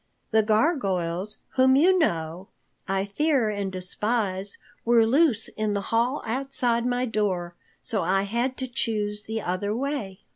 The gargoyles, whom you know I fear and despise, were loose in the hall outside my door so I had to choose the other way."